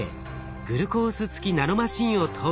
グルコースつきナノマシンを投与。